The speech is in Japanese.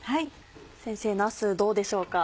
先生なすどうでしょうか？